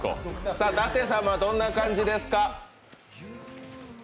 さあ、舘様どんな感じですか。